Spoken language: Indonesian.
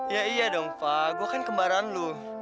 ya iya dong pa gua kan kembaran lu